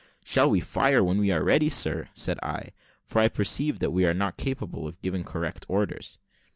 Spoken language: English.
"Shall we fire when we are ready, sir?" said I; for I perceived that he was not capable of giving correct orders.